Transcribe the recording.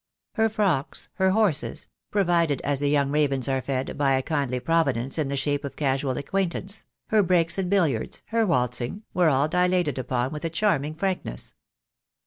Her frocks, her horses — pro vided, as the young ravens are fed, by a kindly Pro vidence in the shape of casual acquaintance — her breaks at billiards, her waltzing, were all dilated upon with a charming frankness.